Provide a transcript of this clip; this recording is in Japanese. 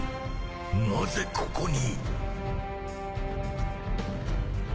なぜここに！？